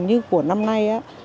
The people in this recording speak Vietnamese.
như của năm nay